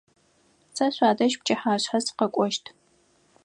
Сэ шъуадэжь пчыхьашъхьэ сыкъэкӏощт.